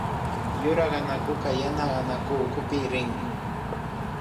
Yura anakuka yana anaku ukupi rin